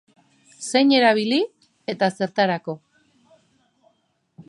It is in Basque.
Zein erabili eta zertarako?